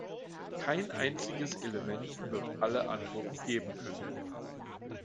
Kein einziges Element wird alle Antworten geben können.